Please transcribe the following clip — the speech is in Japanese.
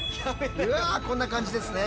うわこんな感じですね。